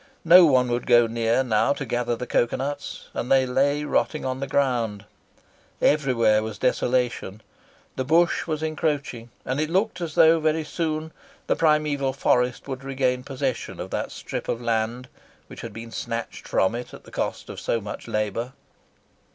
No one would go near now to gather the cocoa nuts, and they lay rotting on the ground. Everywhere was desolation. The bush was encroaching, and it looked as though very soon the primeval forest would regain possession of that strip of land which had been snatched from it at the cost of so much labour.